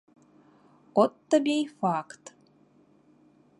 От табе й факт.